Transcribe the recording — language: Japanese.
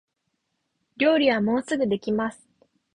料理はもうすぐできます